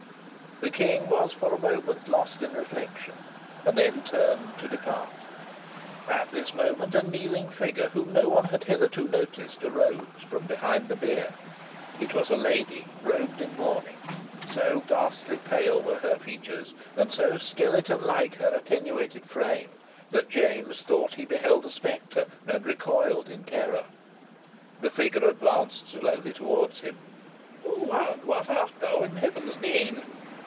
The King was for a moment lost in reflection, and then turned to depart. At this moment a kneeling figure, whom no one had hitherto noticed, arose from behind the bier. It was a lady, robed in mourning. So ghastly pale were her features, and so skeleton like her attenuated frame, that James thought he beheld a spectre, and recoiled in terror. The figure advanced slowly towards him. "Who, and what art thou, in Heaven's name?"